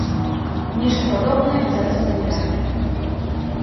Нешта падобнае мы зараз і назіраем.